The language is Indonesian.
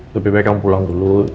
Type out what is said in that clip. lebih baik kamu pulang dulu